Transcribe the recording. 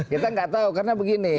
kita nggak tahu karena begini